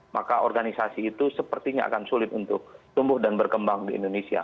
maka organisasi itu sepertinya akan sulit untuk tumbuh dan berkembang di indonesia